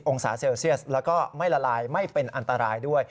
องศาเซลเซียสแล้วก็ไม่ละลายไม่เป็นอันตรายด้วย